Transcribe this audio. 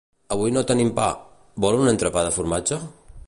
Avui no tenim pa, vol un entrepà de formatge?